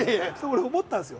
俺思ったんですよ。